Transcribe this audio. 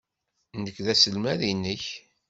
Nekk d aselmad-nnek.